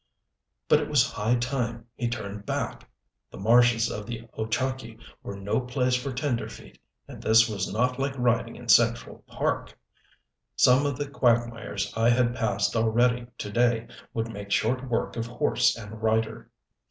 But it was high time he turned back! The marshes of the Ochakee were no place for tenderfeet; and this was not like riding in Central Park! Some of the quagmires I had passed already to day would make short work of horse and rider.